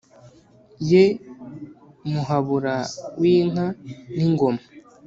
ye muhabura w’inka n’ingoma,